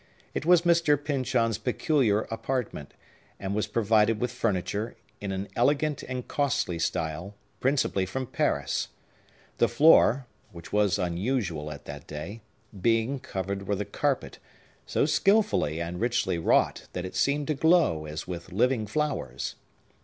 It was Mr. Pyncheon's peculiar apartment, and was provided with furniture, in an elegant and costly style, principally from Paris; the floor (which was unusual at that day) being covered with a carpet, so skilfully and richly wrought that it seemed to glow as with living flowers.